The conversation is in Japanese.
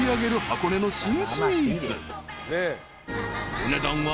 ［お値段は］